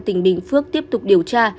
tỉnh bình phước tiếp tục điều tra